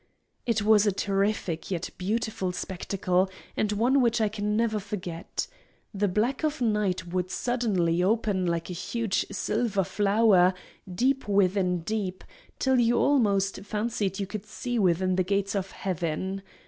It was a terrific yet beautiful spectacle, and one which I can never forget. The black of night would suddenly open like a huge silver flower, deep within deep, till you almost fancied you could see within the gates of heaven.